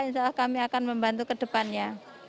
insya allah kami akan membantu ke depannya